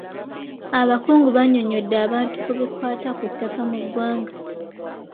Abakugu bannyonnyodde abantu ku bikwata ku ttaka mu ggwanga.